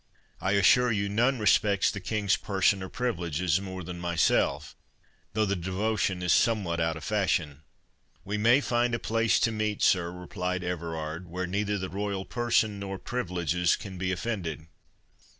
I assure you, none respects the King's person or privileges more than myself—though the devotion is somewhat out of fashion." "We may find a place to meet, sir," replied Everard, "where neither the royal person nor privileges can be offended."